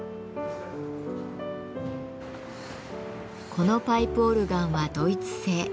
このパイプオルガンはドイツ製。